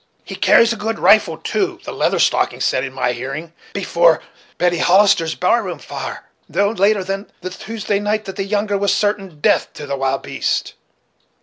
He carries a good rifle, too, 'the Leather Stocking said, in my hearing, before Betty Hollister's bar room fire, no later than the Tuesday night, that the younger was certain death to the wild beasts.